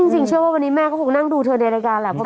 จริงเชื่อว่าวันนี้แม่ก็คงนั่งดูเธอในรายการแหละ